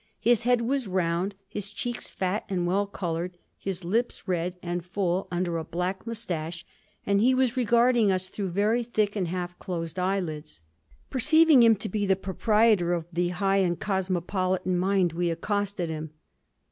His head was round, his cheeks fat and well coloured, his lips red and full under a black moustache, and he was regarding us through very thick and half closed eyelids. Perceiving him to be the proprietor of the high and cosmopolitan mind, we accosted him.